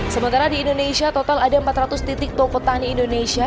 sementara di indonesia total ada empat ratus titik toko tani indonesia